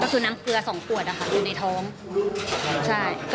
ก็คือน้ำเกลือ๒ขวดอะค่ะอยู่ในท้องใช่